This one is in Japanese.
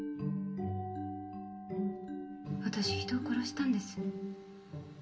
私人を殺したんです